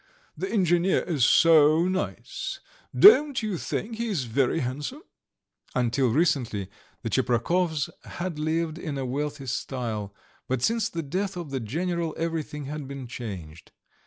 The engineer is so nice! Don't you think he is very handsome?" Until recently the Tcheprakovs had lived in a wealthy style, but since the death of the general everything had been changed.